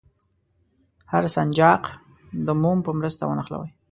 هر سنجاق د موم په مرسته ونښلوئ.